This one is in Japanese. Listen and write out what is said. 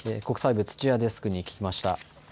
国際部、土屋デスクに聞きました。